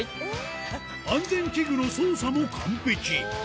安全器具の操作も完璧。